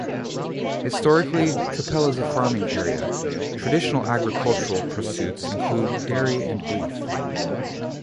Historically, Capel is a farming area; traditional agricultural pursuits include dairy and beef.